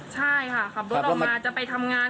ใช่ค่ะขับรถออกมาจะไปทำงาน